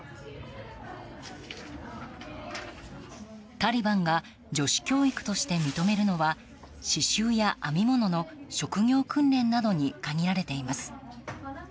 タリバンが女子教育として認めるのは刺しゅうや編み物の職業訓練などに限られています。